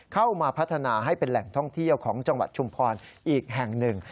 เข้ามาพัฒนาให้เป็นแหล่งท่องเที่ยวของจังหวัดชุมพรอีกแห่งหนึ่ง